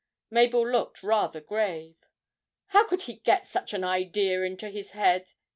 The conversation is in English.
Mabel looked rather grave. 'How could he get such an idea into his head?'